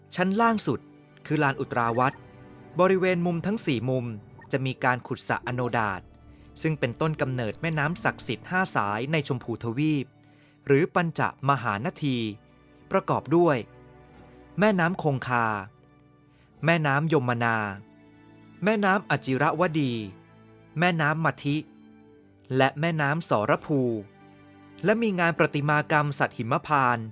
ชั้นล่างสุดคือลานอุตราวัดบริเวณมุมทั้ง๔มุมจะมีการขุดสะอโนดาตซึ่งเป็นต้นกำเนิดแม่น้ำศักดิ์สิทธิ์๕สายในชมพูทวีปหรือปัญจมหานธีประกอบด้วยแม่น้ำคงคาแม่น้ำยมนาแม่น้ำอจิระวดีแม่น้ำมาธิและแม่น้ำสรภูและมีงานปฏิมากรรมสัตว์หิมพาน